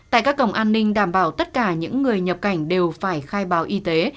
tại các cổng an ninh đảm bảo tất cả những người nhập cảnh đều phải khai báo y tế